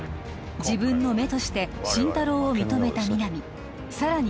自分の目として心太朗を認めた皆実さらに